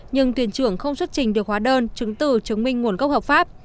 nhưng thuyền trưởng không xuất trình được hóa đơn chứng từ chứng minh nguồn gốc hợp pháp